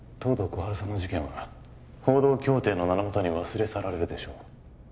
春さんの事件は報道協定の名のもとに忘れ去られるでしょう